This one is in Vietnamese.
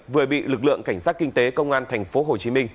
vừa bị lực lượng cảnh sát kinh tế công an thành phố hồ chí minh